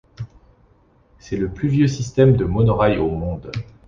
C'est le plus vieux système de monorail au monde.